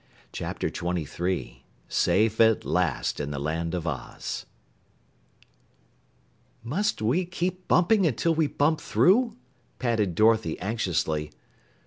CHAPTER 23 SAFE AT LAST IN THE LAND OF OZ "Must we keep bumping until we bump through?" panted Dorothy anxiously.